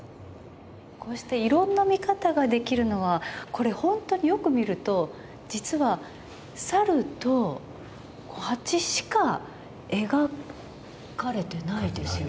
こうしていろんな見方ができるのは本当によく見ると実は猿と蜂しか描かれてないですよね。